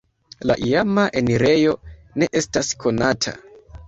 La iama enirejo ne estas konata.